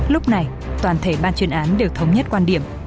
lúc này toàn thể ban chuyên án đều thống nhất quan điểm